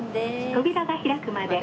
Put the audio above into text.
「扉が開くまで」